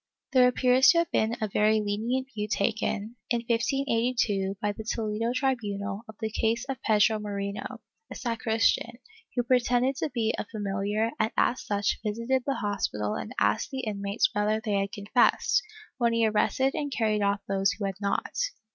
^ There appears to have been a very lenient view taken, in 1582, by the Toledo tribunal, of the case of Pedro Moreno, a sacristan, who pretended to be a familiar and as such visited the hospital and asked the inmates whether they had confessed, when he arrested and carried off those who had not.